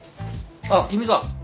あっ君か。